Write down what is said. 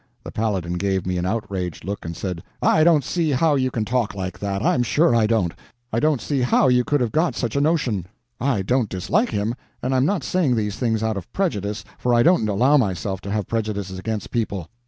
The Paladin gave me an outraged look, and said: "I don't see how you can talk like that, I'm sure I don't. I don't see how you could have got such a notion. I don't dislike him, and I'm not saying these things out of prejudice, for I don't allow myself to have prejudices against people.